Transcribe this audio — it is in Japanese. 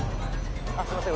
あっすいません